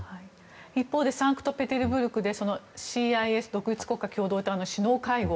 一方でサンクトペテルブルクでＣＩＳ・独立国家共同体の首脳会合。